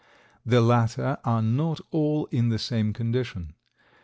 The latter are not all in the same condition.